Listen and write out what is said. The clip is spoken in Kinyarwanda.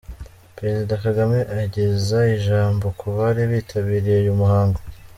Perezida Kagame ageza ijambo ku bari bitabiriye uyu muhango.